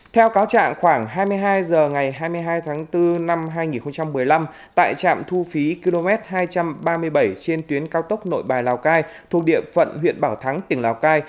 theo cáo trạng khoảng hai mươi hai h ngày hai mươi hai tháng bốn năm hai nghìn một mươi năm tại trạm thu phí km hai trăm ba mươi bảy trên tuyến cao tốc nội bài lào cai thuộc địa phận huyện bảo thắng tỉnh lào cai